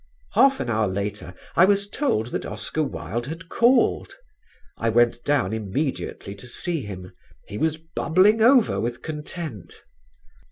Half an hour later I was told that Oscar Wilde had called. I went down immediately to see him. He was bubbling over with content.